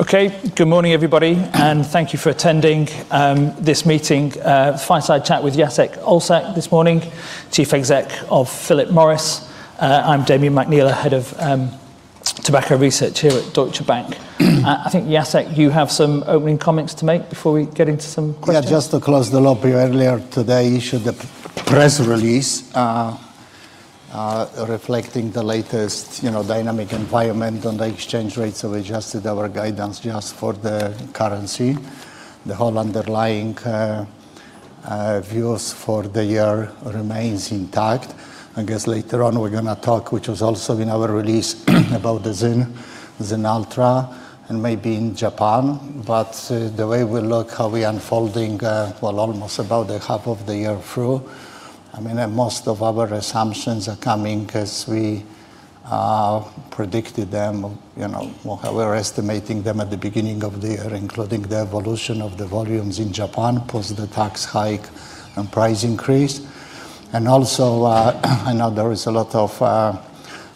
Okay. Good morning, everybody, and thank you for attending this meeting. Fireside chat with Jacek Olczak this morning, Chief Exec of Philip Morris. I'm Damian McNeela, Head of Tobacco Research here at Deutsche Bank. I think, Jacek, you have some opening comments to make before we get into some questions. Yeah, just to close the loop, earlier today, we issued the press release reflecting the latest dynamic environment on the exchange rates. We adjusted our guidance just for the currency. The whole underlying views for the year remains intact. I guess later on, we're going to talk, which was also in our release, about the ZYN U, and maybe in Japan. The way we look how we're unfolding, well, almost about the half of the year through. Most of our assumptions are coming because we predicted them well. However, estimating them at the beginning of the year, including the evolution of the volumes in Japan, post the tax hike and price increase. Also, I know there is a lot of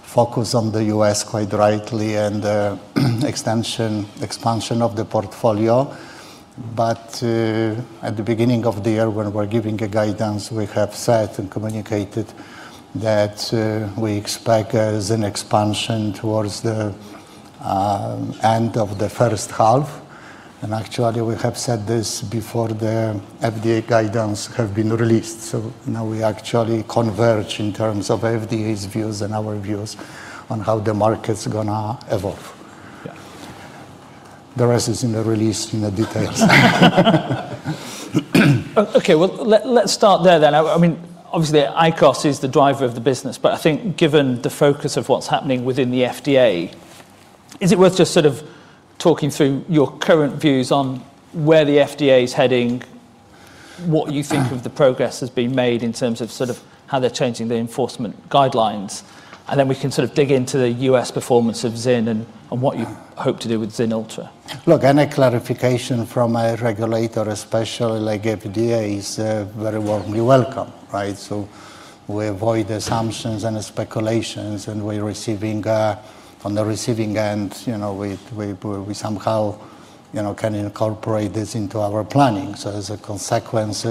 focus on the U.S., quite rightly, and the expansion of the portfolio. At the beginning of the year, when we were giving a guidance, we have said and communicated that we expect as an expansion towards the end of H1. Actually, we have said this before the FDA guidance have been released. Now we actually converge in terms of FDA's views and our views on how the market's going to evolve. Yeah. The rest is in the release, in the details. Okay, well, let start there then. Obviously, IQOS is the driver of the business. I think given the focus of what's happening within the FDA, is it worth just sort of talking through your current views on where the FDA is heading, what you think of the progress has been made in terms of how they're changing the enforcement guidelines? We can sort of dig into the U.S. performance of ZYN and what you hope to do with ZYN ULTRA. Look, any clarification from a regulator, especially like FDA, is very warmly welcome, right? We avoid assumptions and speculations, and on the receiving end, we somehow can incorporate this into our planning. As a consequence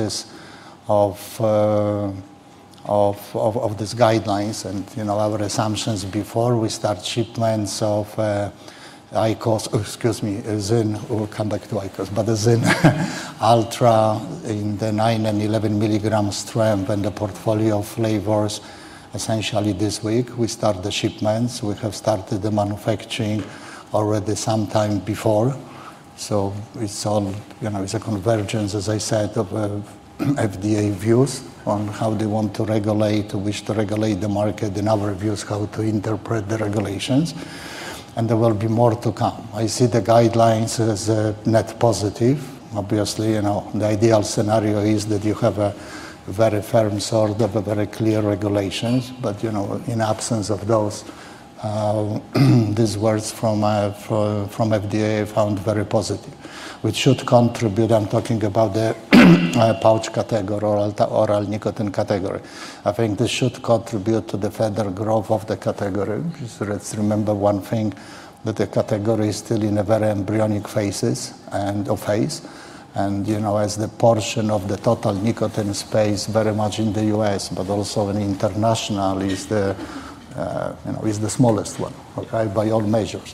of these guidelines and our assumptions before we start shipments of IQOS Excuse me. ZYN. We will come back to IQOS. The ZYN ULTRA in the nine and 11 mg strength and the portfolio of flavors, essentially this week, we start the shipments. We have started the manufacturing already some time before. It's a convergence, as I said, of FDA views on how they want to regulate, wish to regulate the market, and our views how to interpret the regulations. There will be more to come. I see the guidelines as a net positive. Obviously, the ideal scenario is that you have a very firm sort of a very clear regulations. In absence of those, these words from FDA found very positive, which should contribute. I'm talking about the pouch category or oral nicotine category. I think this should contribute to the further growth of the category. Just let's remember one thing, that the category is still in a very embryonic phases and phase. As the portion of the total nicotine space, very much in the U.S., but also in international is the smallest one. Okay? By all measures.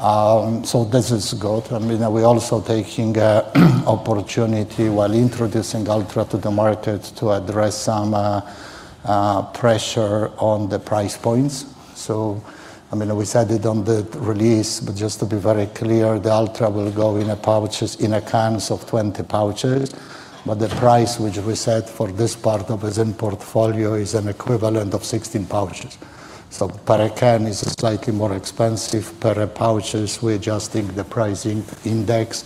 This is good. We also taking opportunity while introducing ZYN ULTRA to the market to address some pressure on the price points. We said it on the release, but just to be very clear, the ZYN ULTRA will go in a pouches in a cans of 20 pouches. The price which we set for this part of the ZYN portfolio is an equivalent of 16 pouches. Per a can is slightly more expensive. Per pouches, we adjusting the pricing index.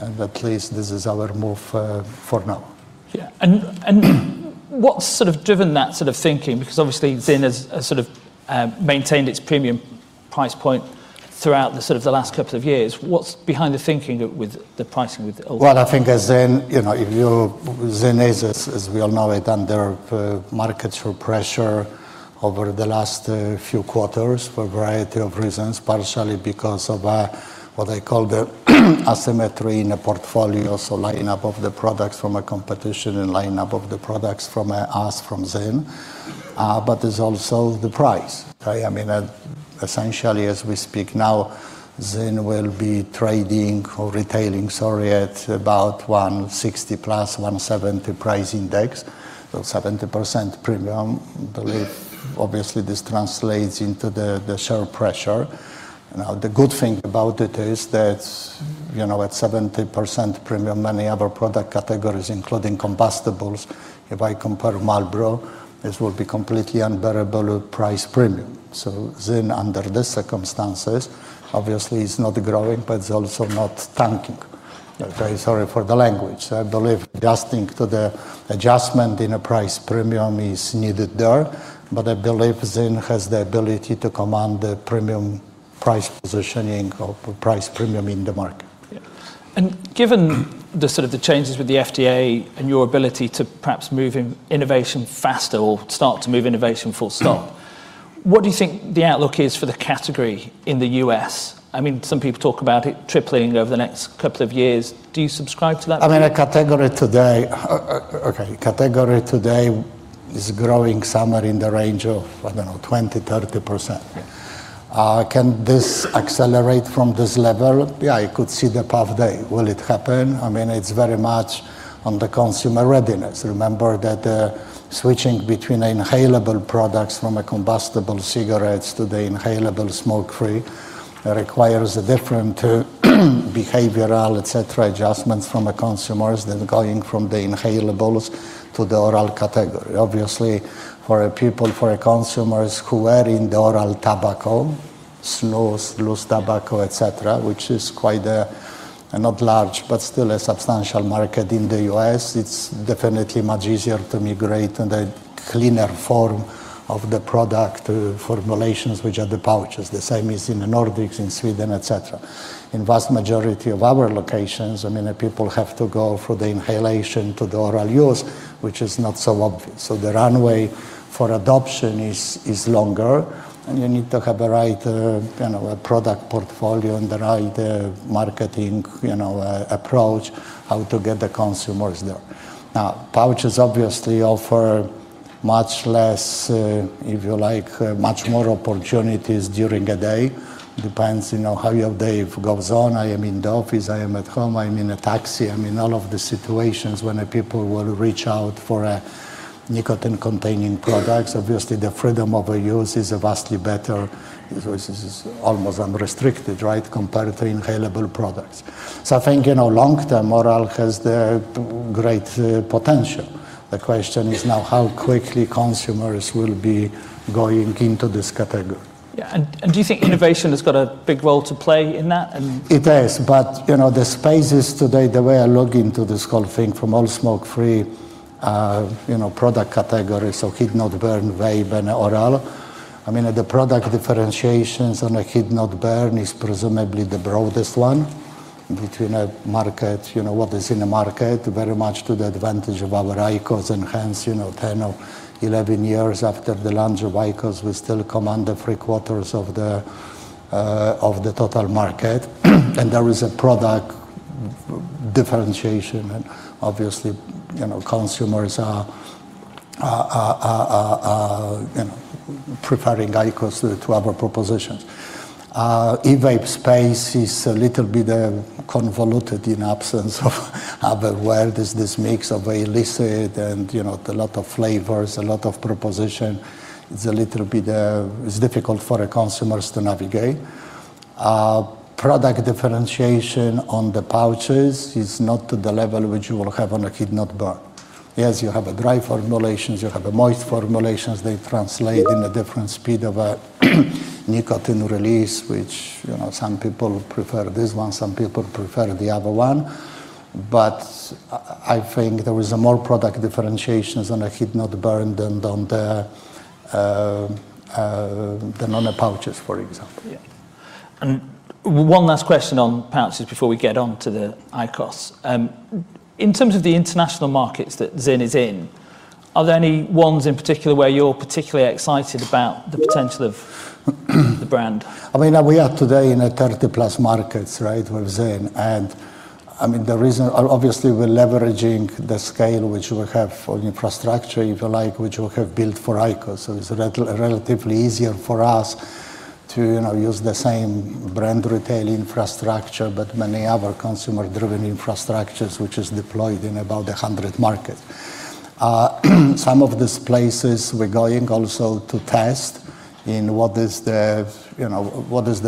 At least this is our move for now. Yeah. What's sort of driven that sort of thinking? Because obviously ZYN has sort of maintained its premium price point throughout the sort of the last couple of years. What's behind the thinking with the pricing with Ultra? I think if you ZYN is, as we all know it, under market share pressure over the last few quarters for a variety of reasons, partially because of what I call the asymmetry in a portfolio. Lineup of the products from a competition and lineup of the products from us, from ZYN. There's also the price. I mean, essentially as we speak now, ZYN will be trading or retailing, sorry, at about 160 + 170 price index. 70% premium. I believe obviously this translates into the share pressure. The good thing about it is that at 70% premium, many other product categories, including combustibles, if I compare Marlboro, this will be completely unbearable price premium. ZYN, under the circumstances, obviously is not growing, but it's also not tanking. Very sorry for the language. I believe adjusting to the adjustment in a price premium is needed there, but I believe ZYN has the ability to command the premium price positioning or price premium in the market. Yeah. Given the sort of the changes with the FDA and your ability to perhaps move in innovation faster or start to move innovation full stop. What do you think the outlook is for the category in the U.S.? Some people talk about it tripling over the next couple of years. Do you subscribe to that? Category today is growing somewhere in the range of, I don't know, 20%, 30%. Yeah. Can this accelerate from this level? Yeah, I could see the path there. Will it happen? It's very much on the consumer readiness. Remember that the switching between inhalable products from combustible cigarettes to the inhalable smoke-free requires a different behavioral, et cetera, adjustments from consumers than going from the inhalables to the oral category. Obviously, for people, for consumers who are in the oral tobacco, snus, loose tobacco, et cetera, which is quite a, not large, but still a substantial market in the U.S., it's definitely much easier to migrate to the cleaner form of the product formulations, which are the pouches. The same is in the Nordics, in Sweden, et cetera. In vast majority of our locations, people have to go through the inhalation to the oral use, which is not so obvious. The runway for adoption is longer, and you need to have a right product portfolio and the right marketing approach how to get the consumers there. Pouches obviously offer much less, if you like, much more opportunities during a day. Depends on how your day goes on. I am in the office, I am at home, I am in a taxi. I'm in all of the situations when people will reach out for nicotine-containing products. The freedom of use is vastly better, is almost unrestricted, compared to inhalable products. I think, long-term, oral has the great potential. The question is now how quickly consumers will be going into this category. Yeah. Do you think innovation has got a big role to play in that? It has. The spaces today, the way I look into this whole thing from all smoke-free product categories, so heat-not-burn, vape, and oral. The product differentiations on a heat-not-burn is presumably the broadest one between a market, what is in the market, very much to the advantage of our IQOS. Hence, 10 or 11 years after the launch of IQOS, we still command the three-quarters of the total market. There is a product differentiation, and obviously, consumers are preferring IQOS to other propositions. Vape space is a little bit convoluted, in absence of other word. Is this mix of illicit and a lot of flavors, a lot of proposition. It's a little bit difficult for consumers to navigate. Product differentiation on the pouches is not to the level which you will have on a heat-not-burn. Yes, you have dry formulations, you have moist formulations. They translate in a different speed of a nicotine release, which some people prefer this one, some people prefer the other one. I think there is more product differentiations on a heat-not-burn than on the pouches, for example. Yeah. One last question on pouches before we get onto the IQOS. In terms of the international markets that ZYN is in, are there any ones in particular where you're particularly excited about the potential of the brand? We are today in a 30+ markets with ZYN. The reason Obviously, we're leveraging the scale which we have for infrastructure, if you like, which we have built for IQOS. It's relatively easier for us to use the same brand retail infrastructure, but many other consumer-driven infrastructures which is deployed in about 100 markets. Some of these places we're going also to test in what is the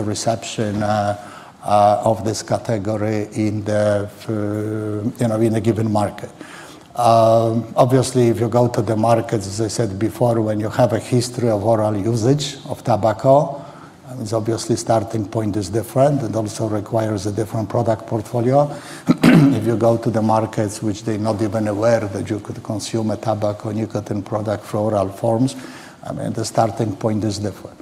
reception of this category in a given market. Obviously, if you go to the markets, as I said before, when you have a history of oral usage of tobacco, it's obviously starting point is different. It also requires a different product portfolio. If you go to the markets which they're not even aware that you could consume a tobacco nicotine product for oral forms, the starting point is different.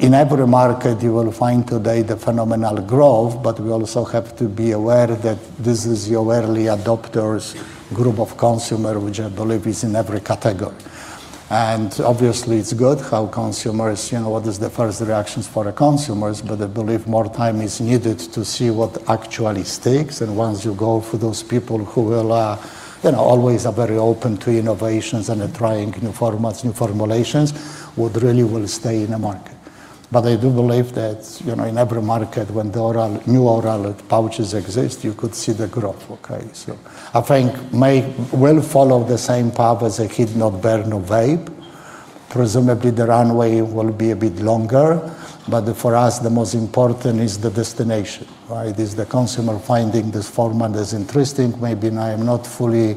In every market, you will find today the phenomenal growth, but we also have to be aware that this is your early adopters group of consumer, which I believe is in every category. Obviously, it's good what is the first reactions for the consumers, but I believe more time is needed to see what actually sticks. Once you go for those people who always are very open to innovations and trying new formats, new formulations, what really will stay in the market. I do believe that in every market, when the new oral pouches exist, you could see the growth. Okay, I think may well follow the same path as a heat-not-burn or vape. Presumably, the runway will be a bit longer. For us, the most important is the destination. Is the consumer finding this format as interesting? Maybe I am not fully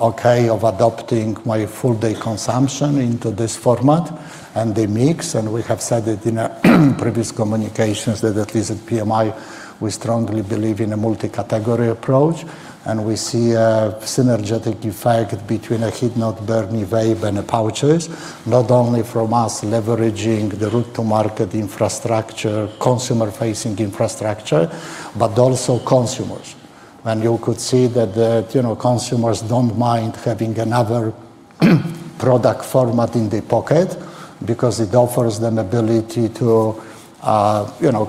okay of adopting my full-day consumption into this format and the mix. We have said it in a previous communications that at least at PMI, we strongly believe in a multi-category approach. We see a synergetic effect between a heat-not-burn, a vape, and pouches, not only from us leveraging the route to market infrastructure, consumer-facing infrastructure, but also consumers. You could see that the consumers don't mind having another product format in their pocket because it offers them ability to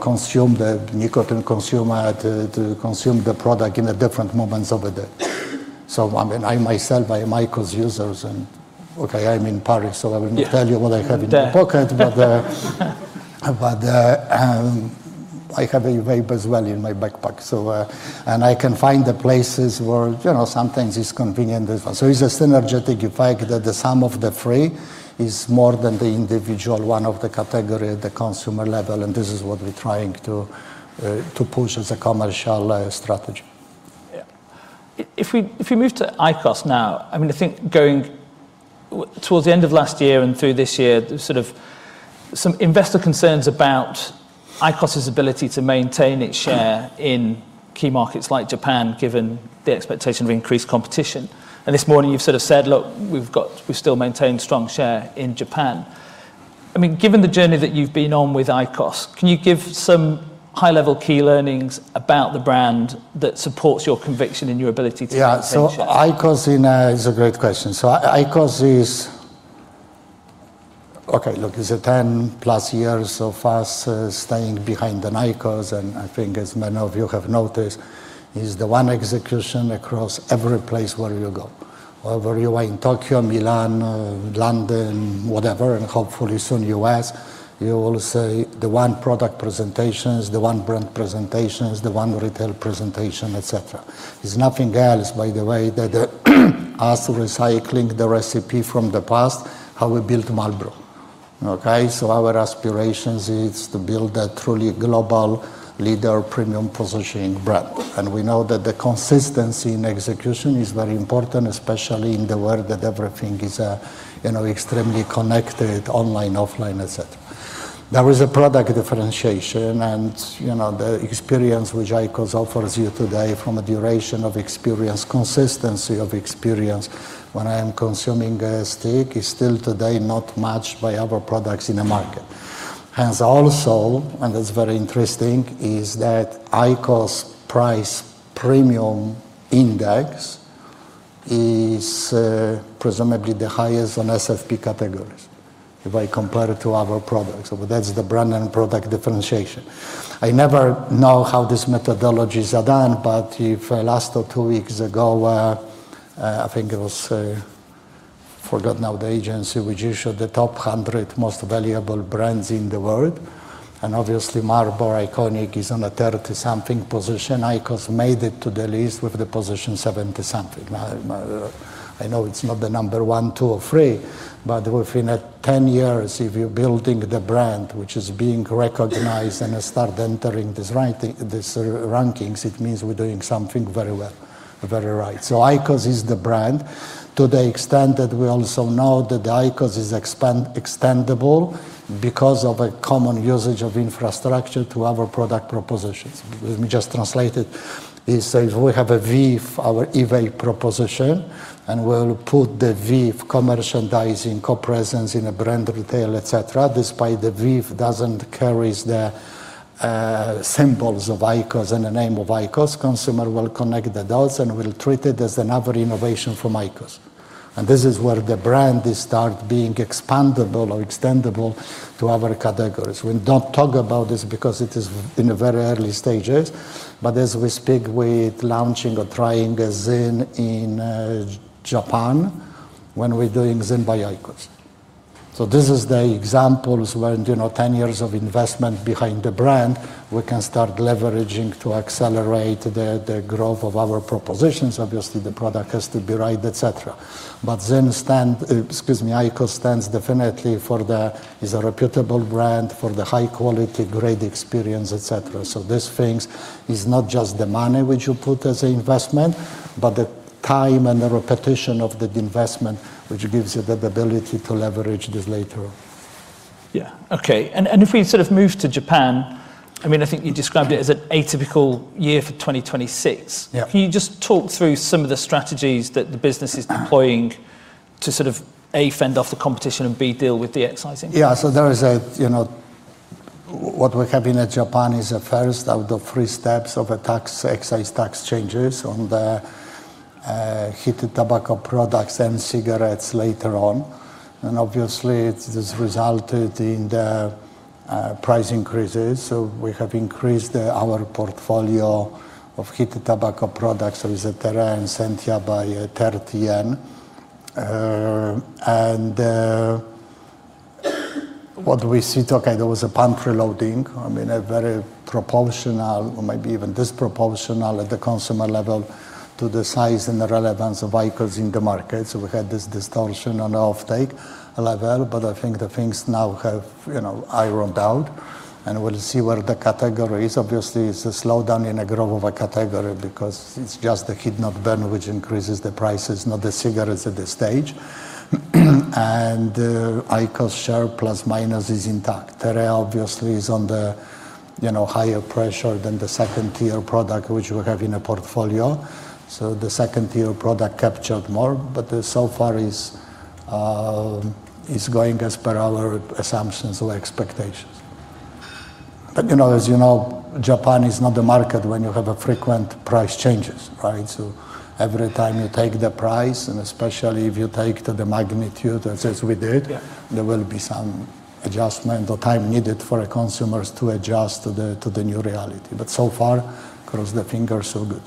consume, the nicotine consumer to consume the product in the different moments of the day. I myself, I am IQOS users and okay, I'm in Paris, so I will not tell you what I have in my pocket. There. I have a vape as well in my backpack. I can find the places where sometimes it's convenient as well. It's a synergetic effect that the sum of the three is more than the individual one of the category at the consumer level, and this is what we're trying to put as a commercial strategy. Yeah. If we move to IQOS now, I think going towards the end of last year and through this year, there's some investor concerns about IQOS's ability to maintain its share in key markets like Japan, given the expectation of increased competition. This morning you've said, "Look, we've still maintained strong share in Japan." Given the journey that you've been on with IQOS, can you give some high level key learnings about the brand that supports your conviction and your ability to maintain share? Yeah. IQOS in It's a great question. IQOS is okay, look, it's a 10+ years of us staying behind the IQOS, and I think as many of you have noticed, it is the one execution across every place where you go. Wherever you are, in Tokyo, Milan, London, whatever, and hopefully soon U.S., you will see the one product presentations, the one brand presentations, the one retail presentation, et cetera. It's nothing else, by the way, that us recycling the recipe from the past, how we built Marlboro. Our aspirations is to build a truly global leader premium positioning brand. We know that the consistency in execution is very important, especially in the world that everything is extremely connected online, offline, et cetera. There is a product differentiation. The experience which IQOS offers you today from a duration of experience, consistency of experience when I am consuming a stick is still today not matched by other products in the market. IQOS price premium index is presumably the highest on SFP categories if I compare it to other products. That's the brand and product differentiation. I never know how these methodologies are done, but if last or two weeks ago, I think it was, forgot now the agency which issued the top 100 most valuable brands in the world, and obviously Marlboro iconic is on a 30-something position. IQOS made it to the list with the position 70-something. Within 10 years, if you're building the brand which is being recognized and start entering these rankings, it means we're doing something very well, very right. IQOS is the brand to the extent that we also know that IQOS is extendable because of a common usage of infrastructure to other product propositions. Let me just translate it. If we have a VEEV, our e-vapor proposition, we'll put the VEEV merchandising co-presence in a brand retail, et cetera. Despite the VEEV doesn't carries the symbols of IQOS and the name of IQOS, consumer will connect the dots and will treat it as another innovation from IQOS. This is where the brand start being expandable or extendable to other categories. We don't talk about this because it is in the very early stages, but as we speak with launching or trying ZYN in Japan, when we're doing ZYN and IQOS. This is the examples where in 10 years of investment behind the brand, we can start leveraging to accelerate the growth of our propositions. Obviously, the product has to be right, et cetera. ZYN stand, excuse me, IQOS stands definitely Is a reputable brand for the high quality, great experience, et cetera. These things is not just the money which you put as an investment, but the time and the repetition of the investment which gives you that ability to leverage this later. Yeah. Okay. If we move to Japan, I think you described it as an atypical year for 2026. Yeah. Can you just talk through some of the strategies that the business is deploying to, A, fend off the competition and, B, deal with the excise increase? Yeah. There is a What we have in Japan is a first of the three steps of excise tax changes on the heated tobacco products and cigarettes later on. Obviously, it has resulted in the price increases. We have increased our portfolio of heated tobacco products. It is a TEREA and SENTIA by JPY 30. What we see, okay, there was a pantry loading, a very proportional or maybe even disproportional at the consumer level to the size and the relevance of IQOS in the market. I think the things now have ironed out, and we'll see where the category is. Obviously, it is a slowdown in a growth of a category because it is just the heat-not-burn which increases the prices, not the cigarettes at this stage. IQOS share plus minus is intact. TEREA obviously is under higher pressure than the tier 2 product which we have in our portfolio. The tier 2 product captured more, but so far is going as per our assumptions or expectations. As you know, Japan is not the market when you have frequent price changes, right? Every time you take the price, and especially if you take the magnitude as we did- Yeah -there will be some adjustment or time needed for consumers to adjust to the new reality. So far, cross the fingers, so good.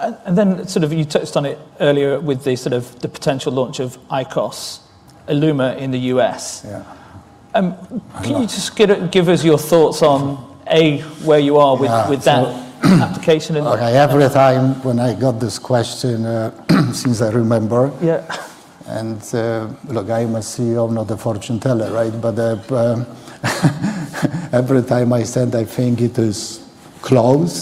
Yeah. Then you touched on it earlier with the potential launch of IQOS ILUMA in the U.S. Yeah. Can you just give us your thoughts on, A, where you are with that- Yeah. -application in the U.S.? Okay. Every time when I got this question, since I remember. Yeah. Look, I am a CEO, not a fortune teller, right? Every time I said I think it is close,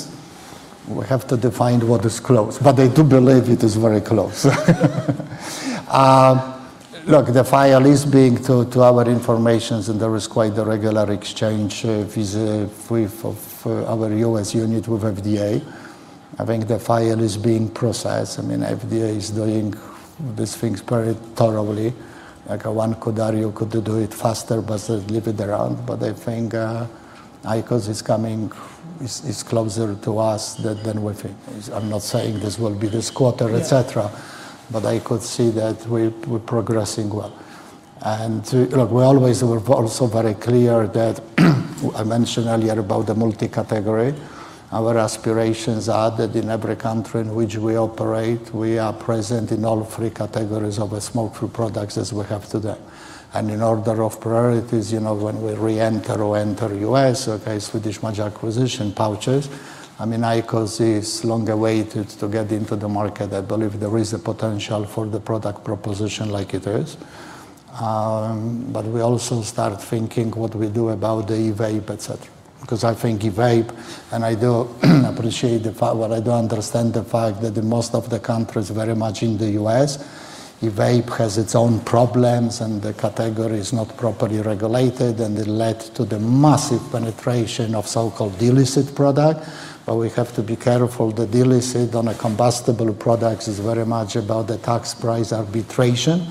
we have to define what is close. I do believe it is very close. Look, the file is being, to our information, and there is quite a regular exchange with our U.S. unit, with FDA. I think the file is being processed. FDA is doing these things very thoroughly. One could argue could they do it faster, but leave it around. I think IQOS is coming. It's closer to us than we think. I'm not saying this will be this quarter, et cetera. Yeah. I could see that we're progressing well. Look, we always were also very clear that I mentioned earlier about the multi-category. Our aspirations are that in every country in which we operate, we are present in all three categories of smoke-free products as we have today. In order of priorities, when we re-enter or enter U.S., okay, Swedish Match acquisition pouches. IQOS is longer way to get into the market. I believe there is a potential for the product proposition like it is. We also start thinking what we do about the e-vapor, et cetera. I think e-vapor, and I do appreciate the fact that I do understand the fact that in most of the countries, very much in the U.S., e-vapor has its own problems, and the category is not properly regulated, and it led to the massive penetration of so-called illicit product. We have to be careful. The illicit on a combustible product is very much about the tax price arbitration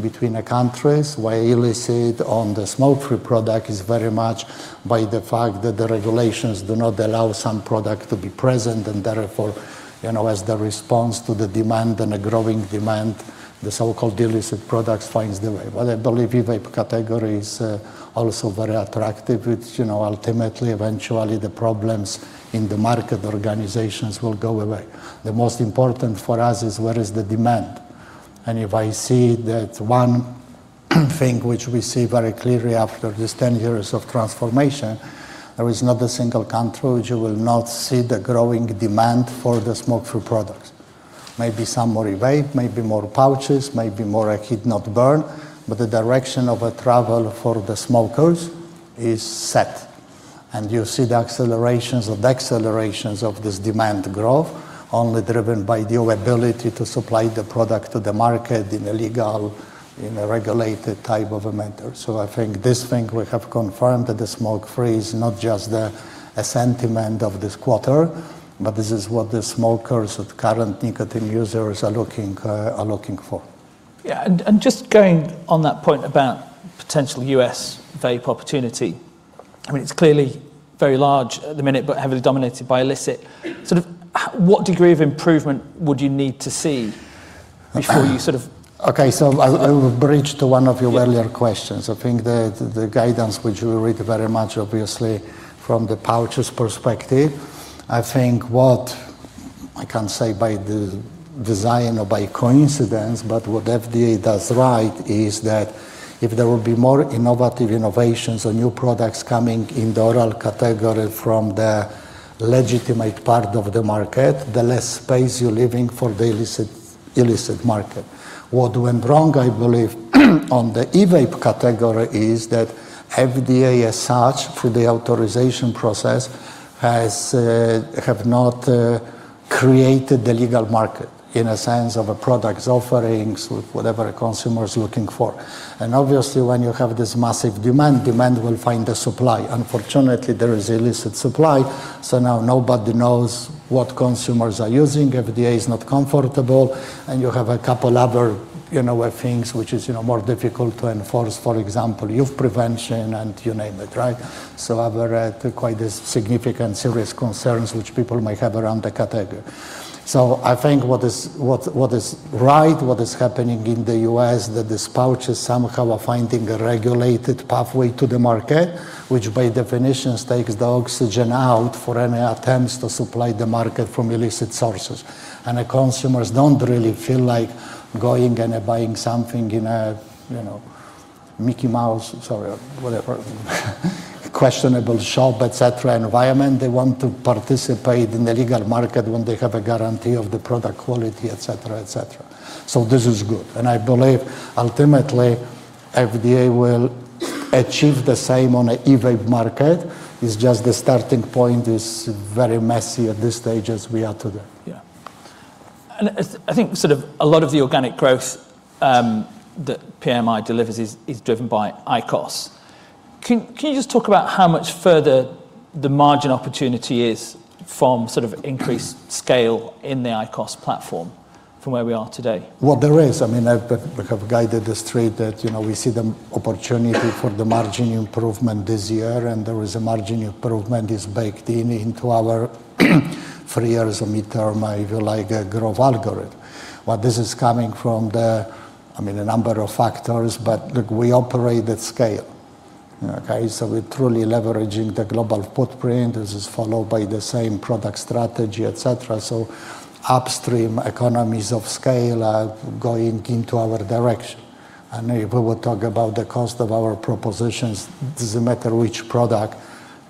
between the countries, while illicit on the smoke-free product is very much by the fact that the regulations do not allow some product to be present, and therefore, as the response to the demand and a growing demand, the so-called illicit products finds the way. I believe e-vapor category is also very attractive. Which ultimately, eventually, the problems in the market organizations will go away. The most important for us is where is the demand. If I see that one thing which we see very clearly after these 10 years of transformation, there is not a single country which you will not see the growing demand for the smoke-free products, maybe some more e-vapor, maybe more pouches, maybe more heat-not-burn. The direction of travel for the smokers is set. You see the accelerations or decelerations of this demand growth only driven by your ability to supply the product to the market in a legal- in a regulated type of manner. I think this thing will have confirmed that the smoke-free is not just a sentiment of this quarter, but this is what the smokers or current nicotine users are looking for. Yeah. Just going on that point about potential U.S. vape opportunity. It's clearly very large at the minute, but heavily dominated by illicit. What degree of improvement would you need to see before you? Okay. I will bridge to one of your earlier questions. I think that the guidance which you read very much, obviously from the pouches perspective. I think what, I can't say by design or by coincidence, but what FDA does right is that if there will be more innovative innovations or new products coming in the oral category from the legitimate part of the market, the less space you're leaving for the illicit market. What went wrong, I believe on the e-vape category is that FDA, as such, through the authorization process, have not created the legal market in a sense of a product offerings with whatever a consumer is looking for. Obviously, when you have this massive demand will find a supply. Unfortunately, there is illicit supply, now nobody knows what consumers are using. FDA is not comfortable. You have a couple other things which is more difficult to enforce. For example, youth prevention, and you name it, right? There are quite significant serious concerns which people may have around the category. I think what is right, what is happening in the U.S., that these pouches somehow are finding a regulated pathway to the market, which by definition takes the oxygen out for any attempts to supply the market from illicit sources. The consumers don't really feel like going and buying something in a Mickey Mouse or whatever questionable shop, et cetera, environment. They want to participate in the legal market when they have a guarantee of the product quality, et cetera. This is good. I believe ultimately, FDA will achieve the same on a e-vapor market. It's just the starting point is very messy at this stage as we are today. Yeah. I think a lot of the organic growth that PMI delivers is driven by IQOS. Can you just talk about how much further the margin opportunity is from increased scale in the IQOS platform from where we are today? Well, there is. I have guided the street that we see the opportunity for the margin improvement this year, and there is a margin improvement is baked in into our three years of midterm, if you like, growth algorithm. While this is coming from the number of factors, but look, we operate at scale. Okay? We're truly leveraging the global footprint. This is followed by the same product strategy, et cetera. Upstream economies of scale are going into our direction. If we will talk about the cost of our propositions, it doesn't matter which product,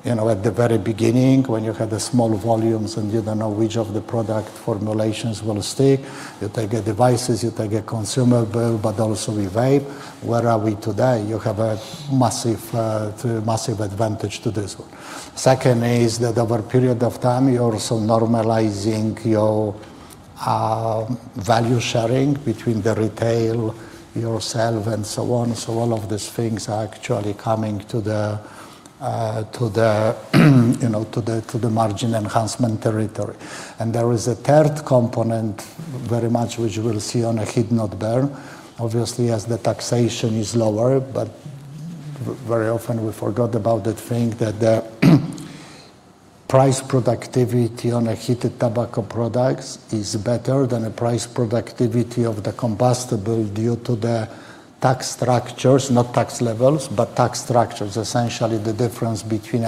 at the very beginning, when you had the small volumes and you don't know which of the product formulations will stay. You take devices, you take a consumer build, but also e-vape. Where are we today? You have a massive advantage to this one. Second is over a period of time, you're also normalizing your value sharing between the retail, yourself, and so on. All of these things are actually coming to the margin enhancement territory. There is a third component very much which we'll see on a heat-not-burn, obviously, as the taxation is lower. Very often we forgot about that thing, that the price productivity on a heated tobacco products is better than the price productivity of the combustible due to the tax structures. Not tax levels, but tax structures. Essentially, the difference between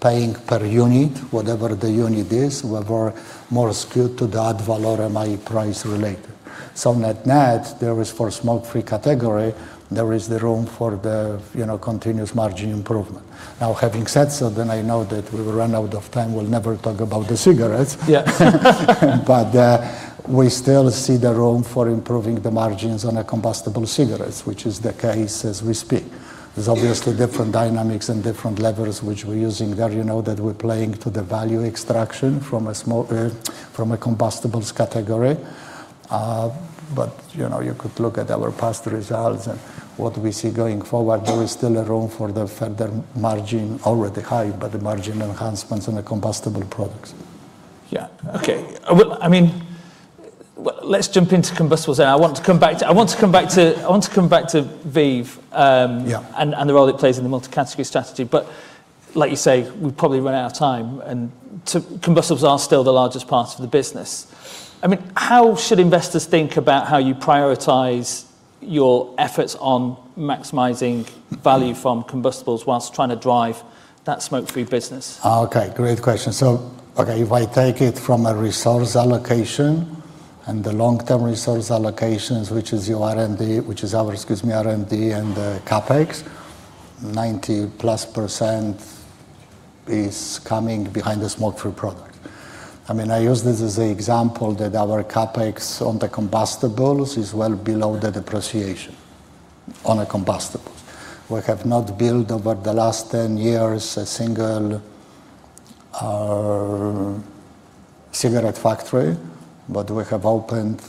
paying per unit, whatever the unit is, whether more skewed to the ad valorem price related. Net net, there is for smoke-free category, there is the room for the continuous margin improvement. Having said so, I know that we will run out of time. We'll never talk about the cigarettes. Yeah. We still see the room for improving the margins on a combustible cigarettes, which is the case as we speak. There's obviously different dynamics and different levers which we're using there, you know that we're playing to the value extraction from a combustibles category. You could look at our past results and what we see going forward. There is still a room for the further margin, already high, but the margin enhancements on the combustible products. Yeah. Okay. Well, let's jump into combustibles then. I want to come back to VEEV- Yeah -and the role it plays in the multi-category strategy. Like you say, we've probably run out of time. Combustibles are still the largest part of the business. How should investors think about how you prioritize your efforts on maximizing value from combustibles whilst trying to drive that smoke-free business? Okay, great question. If I take it from a resource allocation and the long-term resource allocations, which is our R&D and the CapEx, 90%+ is coming behind the smoke-free product. I use this as a example that our CapEx on the combustibles is well below the depreciation on a combustible. We have not built, over the last 10 years, a single cigarette factory. We have opened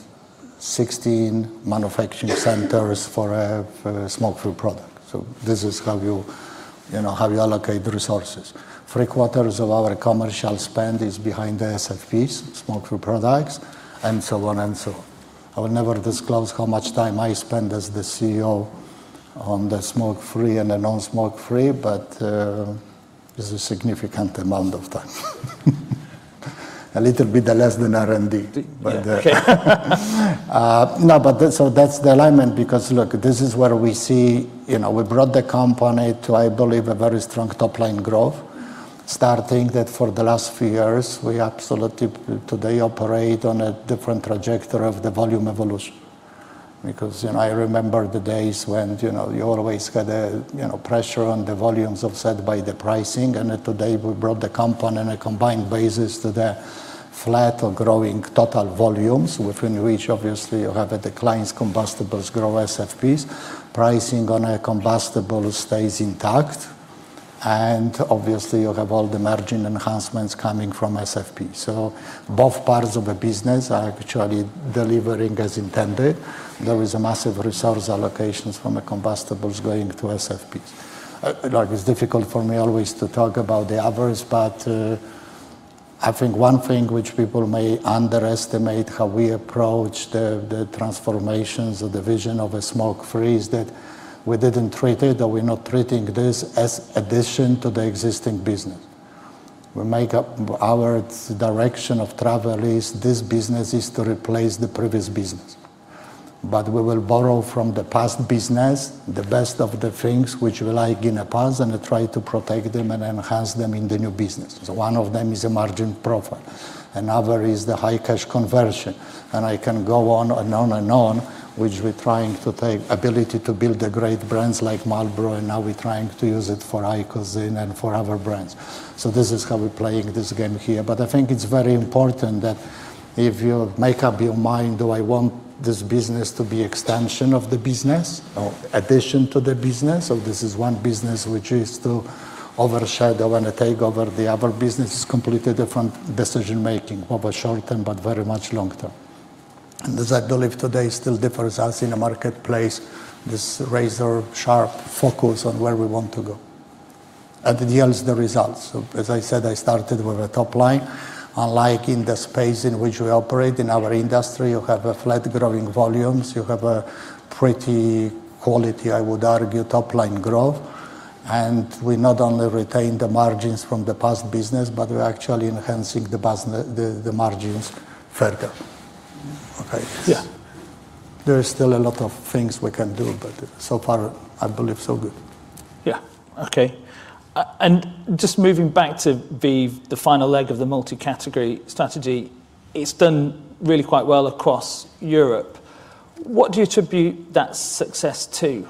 16 manufacturing centers for a smoke-free product. This is how you allocate resources. Three quarters of our commercial spend is behind the SFPs, smoke-free products, and so on and so on. I will never disclose how much time I spend as the CEO on the smoke-free and the non-smoke-free, but it's a significant amount of time. A little bit less than R&D. Yeah. Okay. No, that's the alignment because, look, this is where we see, we brought the company to, I believe, a very strong top-line growth. Starting that for the last few years, we absolutely today operate on a different trajectory of the volume evolution. I remember the days when you always get pressure on the volumes offset by the pricing. Today we brought the company on a combined basis to the flat or growing total volumes. Within which, obviously, you have a decline combustibles grow SFPs. Pricing on a combustible stays intact. Obviously, you have all the margin enhancements coming from SFP. Both parts of the business are actually delivering as intended. There is a massive resource allocations from the combustibles going to SFPs. It's difficult for me always to talk about the others, but I think one thing which people may underestimate how we approach the transformations of the vision of a smoke-free is that we didn't treat it, or we're not treating this as addition to the existing business. Our direction of travel is this business is to replace the previous business. We will borrow from the past business the best of the things which we like in the past and try to protect them and enhance them in the new business. One of them is a margin profit. Another is the high cash conversion. I can go on and on and on, which we're trying to take ability to build the great brands like Marlboro, and now we're trying to use it for IQOS in and for other brands. This is how we're playing this game here. I think it's very important that if you make up your mind, do I want this business to be extension of the business or addition to the business? Or this is one business which is to overshadow and take over the other business, is completely different decision-making over short term, but very much long term. As I believe today still differs us in a marketplace, this razor-sharp focus on where we want to go. It yields the results. As I said, I started with a top line. Unlike in the space in which we operate, in our industry, you have flat growing volumes. You have a pretty quality, I would argue, top-line growth. We not only retain the margins from the past business, but we're actually enhancing the margins further. Okay. Yeah. There is still a lot of things we can do, but so far, I believe so good. Yeah. Okay. Just moving back to the final leg of the multi-category strategy. It's done really quite well across Europe. What do you attribute that success to?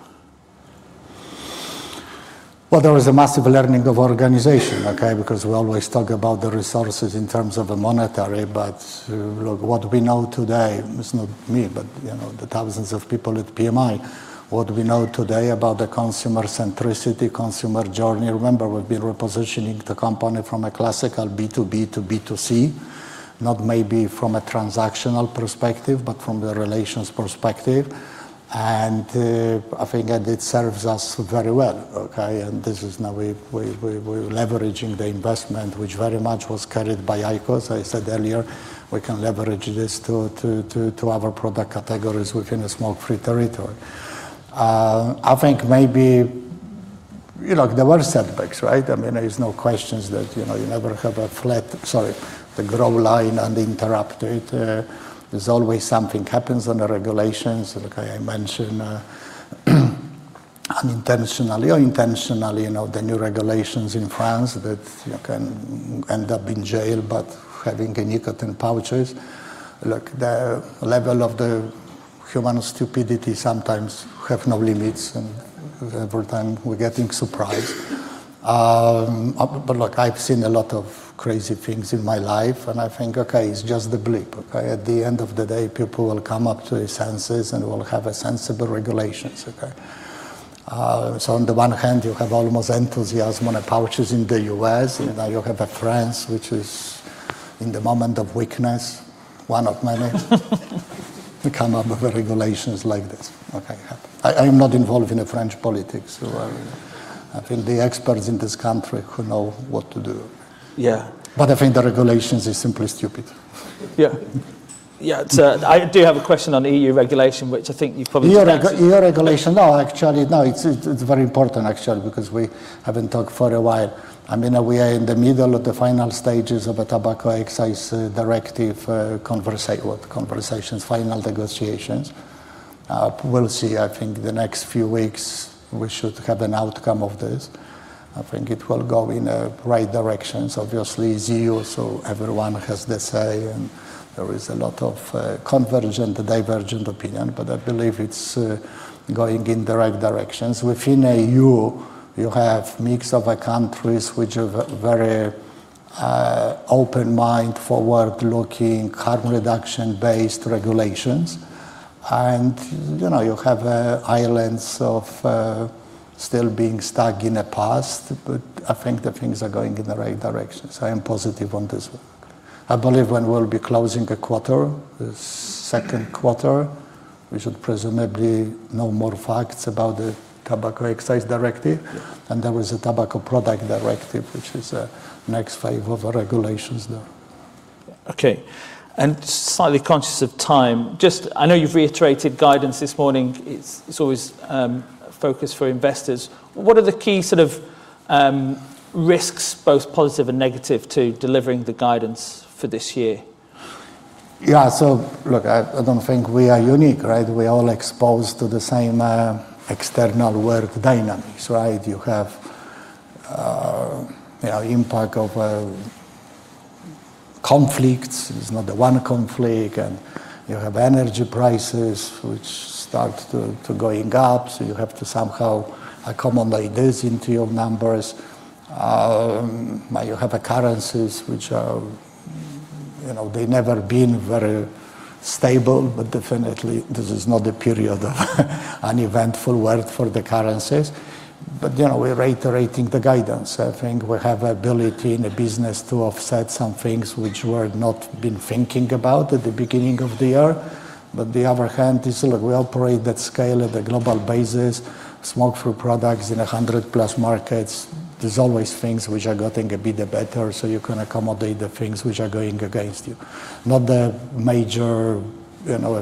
Well, there was a massive learning of organization, okay, because we always talk about the resources in terms of monetary. Look, what we know today, it's not me, but the thousands of people at PMI. What we know today about the consumer centricity, consumer journey. Remember, we've been repositioning the company from a classical B2B to B2C, not maybe from a transactional perspective, but from the relations perspective. I think it serves us very well, okay. This is now we're leveraging the investment, which very much was carried by IQOS. I said earlier, we can leverage this to our product categories within a smoke-free territory. I think maybe there were setbacks, right? There is no questions that you never have, sorry, the growth line. There's always something happens on the regulations. Like I mentioned unintentionally or intentionally, the new regulations in France that you can end up in jail but having nicotine pouches. Look, the level of the human stupidity sometimes have no limits, and every time we're getting surprised. Look, I've seen a lot of crazy things in my life, and I think, okay, it's just the blip. At the end of the day, people will come up to their senses and will have sensible regulations. Okay. On the one hand, you have almost enthusiasm on pouches in the U.S. You have France, which is in the moment of weakness. One of many. They come up with regulations like this. Okay. I am not involved in the French politics. I think the experts in this country could know what to do. Yeah I think the regulations is simply stupid. Yeah. I do have a question on EU regulation. EU regulation. It's very important, actually, because we haven't talked for a while. We are in the middle of the final stages of a Tobacco Excise Directive conversations, final negotiations. We'll see. I think the next few weeks, we should have an outcome of this. I think it will go in the right direction. It's EU, so everyone has their say, and there is a lot of convergent and divergent opinion. I believe it's going in the right direction. Within EU, you have mix of countries which are very open mind, forward-looking, carbon reduction-based regulations. You have islands of still being stuck in the past. I think the things are going in the right direction. I am positive on this one. I believe when we'll be closing a quarter, Q2, we should presumably know more facts about the Tobacco Excise Directive. Yeah. There is a Tobacco Products Directive, which is a next wave of regulations there. Okay. Slightly conscious of time. I know you've reiterated guidance this morning. It's always a focus for investors. What are the key sort of risks, both positive and negative, to delivering the guidance for this year? I don't think we are unique, right? We're all exposed to the same external work dynamics. Right. You have impact of conflicts. It's not the one conflict. You have energy prices which start to going up. You have to somehow accommodate this into your numbers. You have currencies which are never been very stable. Definitely, this is not a period of uneventful work for the currencies. We're reiterating the guidance. I think we have ability in the business to offset some things which we have not been thinking about at the beginning of the year. The other hand is, look, we operate that scale of a global basis, smoke-free products in 100+ markets. There's always things which are getting a bit better so you can accommodate the things which are going against you. Not the major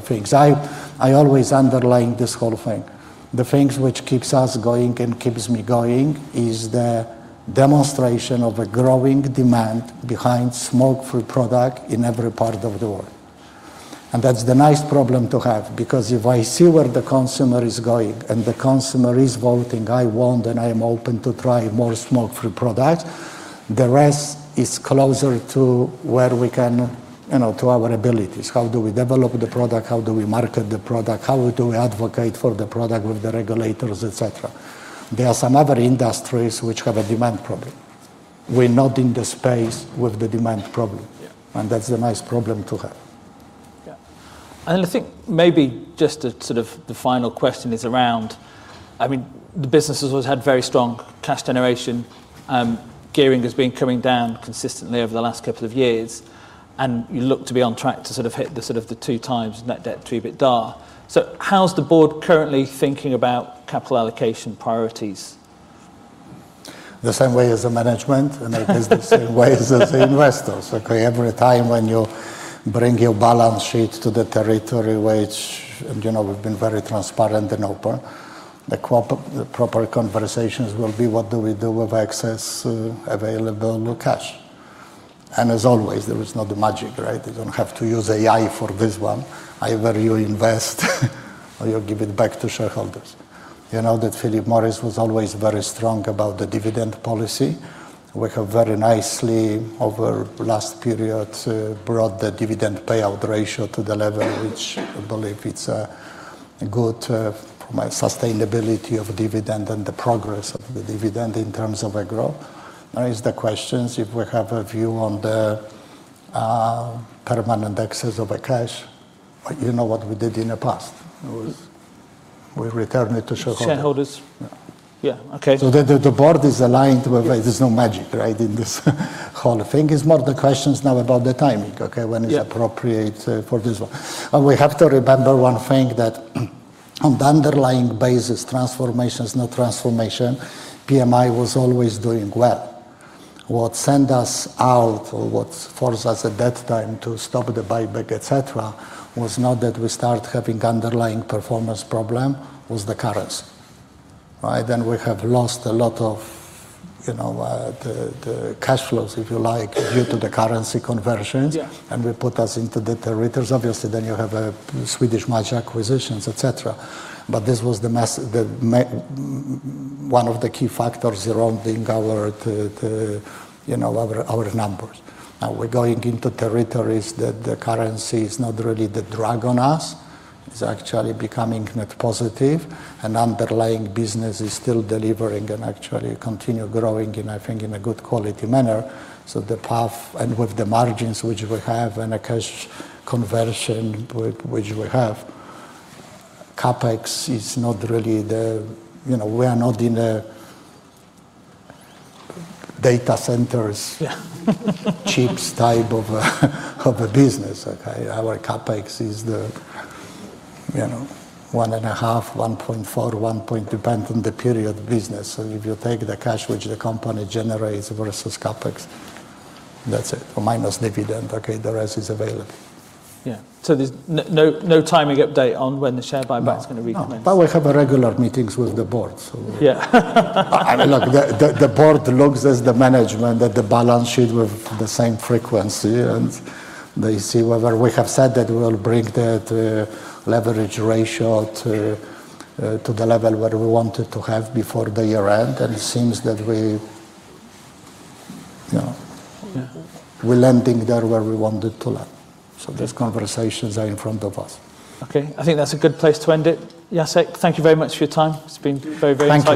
things. I always underline this whole thing. The things which keeps us going and keeps me going is the demonstration of a growing demand behind smoke-free product in every part of the world. That's the nice problem to have. If I see where the consumer is going and the consumer is voting, I want and I am open to try more smoke-free products. The rest is closer to our abilities. How do we develop the product? How do we market the product? How do we advocate for the product with the regulators, et cetera? There are some other industries which have a demand problem. We're not in the space with the demand problem. Yeah. That's a nice problem to have. Yeah. I think maybe just the sort of the final question is around, the business has always had very strong cash generation. Gearing has been coming down consistently over the last couple of years. You look to be on track to sort of hit the 2x net debt to EBITDA. How's the board currently thinking about capital allocation priorities? The same way as the management and it is the same way as the investors. Okay, every time when you bring your balance sheet to the territory, which we've been very transparent and open, the proper conversations will be what do we do with excess available cash? As always, there is no magic, right? You don't have to use AI for this one. Either you invest or you give it back to shareholders. You know that Philip Morris was always very strong about the dividend policy. We have very nicely, over last period, brought the dividend payout ratio to the level which I believe it's a good sustainability of dividend and the progress of the dividend in terms of our growth. Now is the question, if we have a view on the permanent excess of our cash. You know what we did in the past. It was, we return it to shareholders. Shareholders? Yeah. Yeah. Okay. The board is aligned. There's no magic, right? In this whole thing. It's more the question is now about the timing- Yeah -when it's appropriate for this one. We have to remember one thing, that on the underlying basis, transformations, no transformation, PMI was always doing well. What send us out or what forced us at that time to stop the buyback, et cetera, was not that we start having underlying performance problem. It was the currency. Right? We have lost a lot of the cash flows, if you like, due to the currency conversions. Yeah. Will put us into the territories. Obviously, then you have Swedish Match acquisitions, et cetera. This was one of the key factors around our numbers. Now we're going into territories that the currency is not really the drag on us. It's actually becoming net positive. Underlying business is still delivering and actually continue growing in, I think, in a good quality manner. The path, and with the margins which we have and our cash conversion which we have, CapEx is not really the- we are not in the data centers chips type of a business. Okay? Our CapEx is 1.5, 1.4, depend on the period business. If you take the cash which the company generates versus CapEx, that's it. Minus dividend, okay, the rest is available. Yeah. There's no timing update on when the share buyback's going to recommence? No. We have regular meetings with the board. Yeah. Look, the board looks as the management at the balance sheet with the same frequency. They see whether we have said that we will bring that leverage ratio to the level where we wanted to have before the year end it seems that- Yeah. -we're landing there where we wanted to land. Those conversations are in front of us. Okay. I think that's a good place to end it. Jacek, thank you very much for your time. It's been very- Thank you.